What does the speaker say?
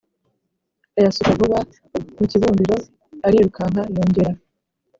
Ayasuka vuba mu kibumbiro arirukanka yongera